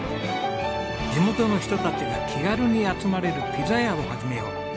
地元の人たちが気軽に集まれるピザ屋を始めよう。